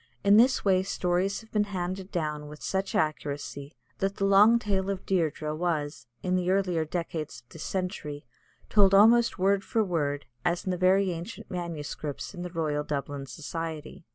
In this way stories have been handed down with such accuracy, that the long tale of Dierdre was, in the earlier decades of this century, told almost word for word, as in the very ancient MSS. in the Royal Dublin Society.